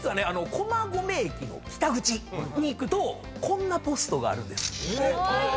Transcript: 駒込駅の北口に行くとこんなポストがあるんです。